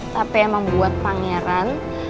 tapi emang buat pangeran